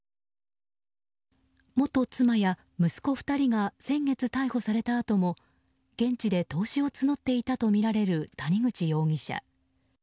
元妻や息子２人が先月逮捕されたあとも現地で投資を募っていたとみられる谷口容疑者。